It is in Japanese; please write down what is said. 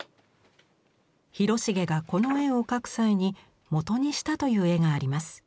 広重がこの絵を描く際に元にしたという絵があります。